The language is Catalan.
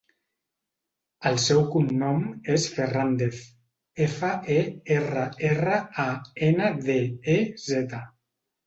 El seu cognom és Ferrandez: efa, e, erra, erra, a, ena, de, e, zeta.